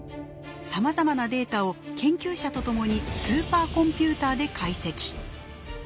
さまざまなデータを研究者とともにスーパーコンピューターで解析。